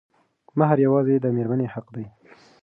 مهر يوازې د مېرمنې حق دی.